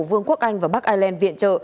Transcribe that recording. vương quốc anh và bắc ireland viện trợ